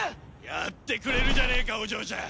やってくれるじゃねえかお嬢ちゃん。